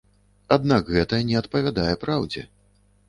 Аднак гэта не адпавядае праўдзе.